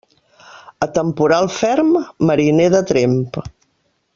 A temporal ferm, mariner de tremp.